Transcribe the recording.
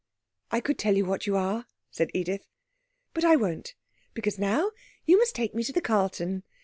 'I could tell you what you are,' said Edith, 'but I won't, because now you must take me to the Carlton.